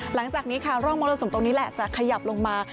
หลังจากนี้ค่ะร่องมรสุมตรงนี้แหละจะขยับลงมา